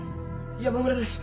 山村です。